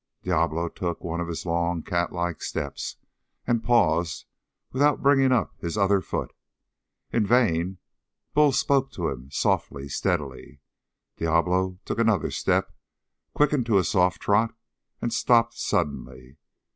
Diablo took one of his long, catlike steps, and paused without bringing up his other foot. In vain Bull spoke to him, softly, steadily. Diablo took another step, quickened to a soft trot, and stopped suddenly.